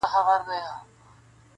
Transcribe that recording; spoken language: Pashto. ټول سرونه به پراته وي پر څپړو -